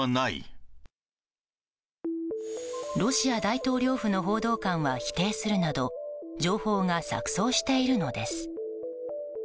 ロシア大統領府の報道官は否定するなど情報が錯綜しているのです。